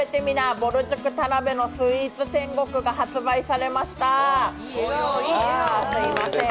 ぼる塾田辺のスイーツ天国」が発売されました。